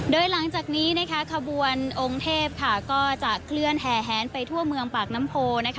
โดยหลังจากนี้ขบวนองค์เทพก็จะเคลื่อนแห่แหนไปทั่วเมืองปากน้ำโพ